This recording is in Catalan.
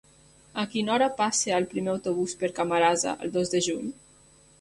A quina hora passa el primer autobús per Camarasa el dos de juny?